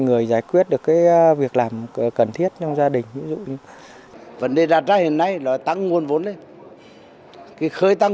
nguồn vốn quỹ quốc gia về việc làm hiện cũng không đủ đáp ứng